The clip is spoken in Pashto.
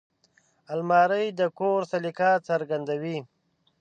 الماري د کور سلیقه څرګندوي